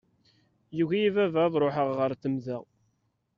Yugi-iyi baba ad ṛuḥeɣ ɣer temda.